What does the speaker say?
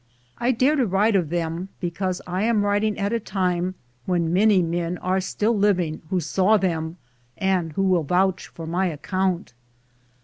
I dare to write of them because I am writing at a time when many men are still living who saw them and who will vouch for my account.